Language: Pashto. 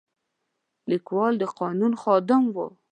لیکوال د قانون خادم و.